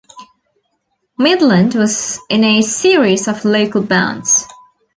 Mydland was in a series of local bands.